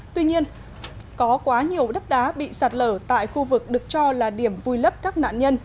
tuy nhiên có quá nhiều đất đá bị sạt lở tại khu vực được cho là điểm vui lấp các nạn nhân